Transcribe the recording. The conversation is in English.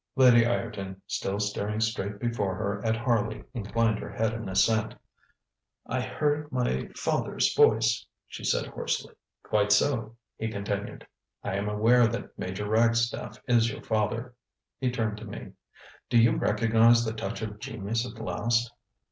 ŌĆØ Lady Ireton, still staring straight before her at Harley, inclined her head in assent. ŌĆ£I heard my father's voice, ŌĆØ she said hoarsely. ŌĆ£Quite so, ŌĆØ he continued. ŌĆ£I am aware that Major Ragstaff is your father. ŌĆØ He turned to me: ŌĆ£Do you recognize the touch of genius at last?